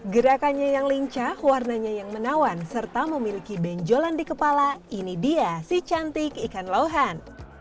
gerakannya yang lincah warnanya yang menawan serta memiliki benjolan di kepala ini dia si cantik ikan lohan